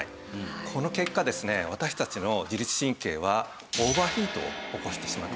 この結果ですね私たちの自律神経はオーバーヒートを起こしてしまっています。